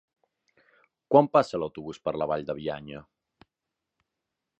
Quan passa l'autobús per la Vall de Bianya?